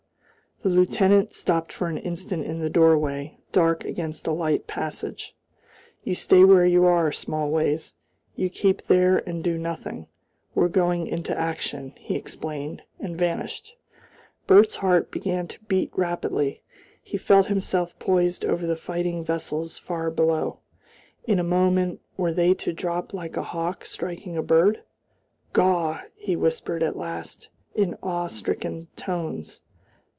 The lieutenant stopped for an instant in the doorway, dark against the light passage. "You stay where you are, Smallways. You keep there and do nothing. We're going into action," he explained, and vanished. Bert's heart began to beat rapidly. He felt himself poised over the fighting vessels far below. In a moment, were they to drop like a hawk striking a bird? "Gaw!" he whispered at last, in awestricken tones.